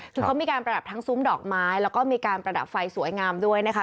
คือเขามีการประดับทั้งซุ้มดอกไม้แล้วก็มีการประดับไฟสวยงามด้วยนะคะ